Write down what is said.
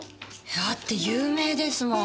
だって有名ですもん。